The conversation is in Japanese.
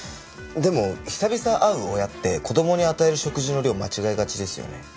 でも久々会う親って子供に与える食事の量間違えがちですよね。